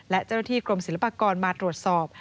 และเจ้าหน้าที่กรมศิลปากรมาตรวจสอบ